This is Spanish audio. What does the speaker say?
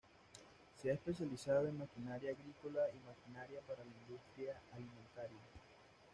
Se ha especializado en maquinaria agrícola y maquinaria para la industria alimentaria.